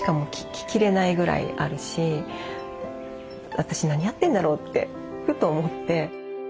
私何やってんだろうってふと思って。